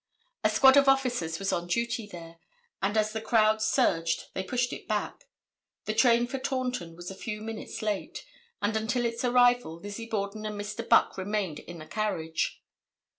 A squad of officers was on duty there, and as the crowd surged they pushed it back. The train for Taunton was a few minutes late, and until its arrival Lizzie Borden and Mr. Buck remained in the carriage.